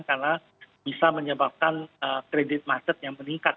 karena bisa menyebabkan kredit maset yang meningkat